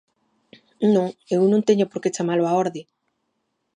Non, eu non teño por que chamalo á orde.